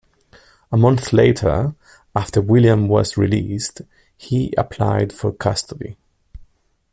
A month later, after William was released, he applied for custody.